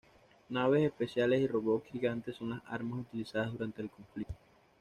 Naves espaciales y robots gigantes son las armas utilizadas durante el conflicto.